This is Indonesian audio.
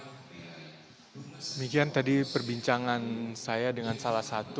demikian tadi perbincangan saya dengan salah satu